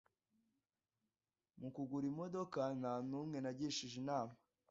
mu kugura imodoka nta n’umwe nagishije inama